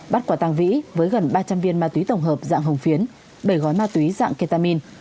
bắt quả tàng vĩ với gần ba trăm linh viên ma túy tổng hợp dạng hồng phiến bảy gói ma túy dạng ketamin